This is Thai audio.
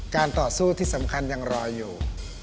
ต่อสู้ที่สำคัญยังรออยู่